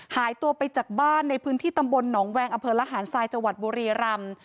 หายตัวไปจากบ้านในพื้นที่ตำบลหนองแวงอำเภอละหารทรายจังหวัดบุรีรำ